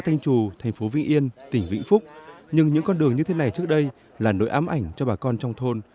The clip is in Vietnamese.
nhưng những con đường như thế này trước đây là nỗi ám ảnh cho bà con trong thôn